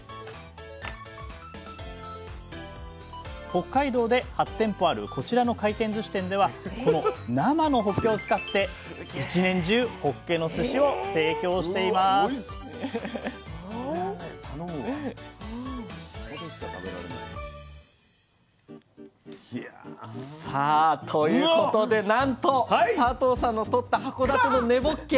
北海道で８店舗あるこちらの回転ずし店ではこの生のほっけを使って１年中ほっけのすしを提供していますさあということでなんと佐藤さんのとった函館の根ぼっけ。